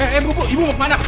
eh eh buku ibu mau kemana